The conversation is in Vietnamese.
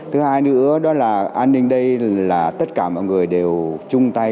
thứ hai nữa an ninh đây là tất cả mọi người đều chung tay